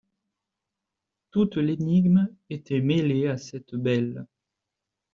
Toute l’énigme était mêlée à cette belle.